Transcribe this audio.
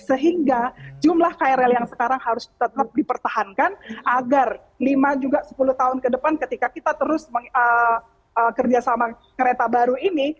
sehingga jumlah krl yang sekarang harus tetap dipertahankan agar lima juga sepuluh tahun ke depan ketika kita terus kerjasama kereta baru ini